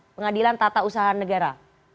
pengadilan tata usaha negara